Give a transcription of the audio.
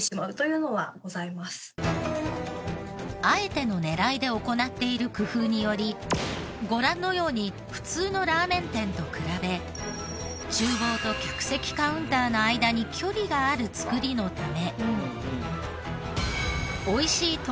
あえての狙いで行っている工夫によりご覧のように普通のラーメン店と比べ厨房と客席カウンターの間に距離がある作りのため美味しい